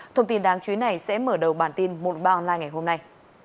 thông tin đáng chú ý này sẽ mở đầu bản tin một ba online ngày hôm nay